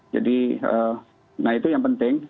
jadi nah itu yang penting